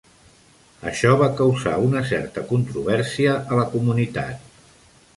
Això va causar una certa controvèrsia a la comunitat.